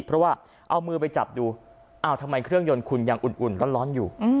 เพราะว่าเอามือไปจับดูอ้าวทำไมเครื่องยนต์คุณยังอุ่นร้อนอยู่